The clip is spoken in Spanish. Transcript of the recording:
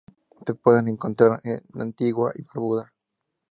Se pueden encontrar en Antigua y Barbuda.